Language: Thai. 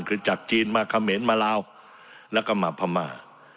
คือจากจีนมาเขมรมาลาวแล้วก็มาพม่า